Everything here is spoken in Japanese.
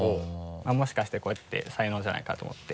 もしかしてこれって才能じゃないかと思って。